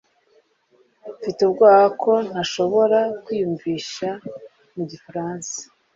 Mfite ubwoba ko ntashobora kwiyumvisha mu gifaransa